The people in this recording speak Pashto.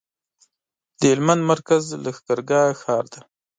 د هلمند مرکز لښکرګاه ښار دی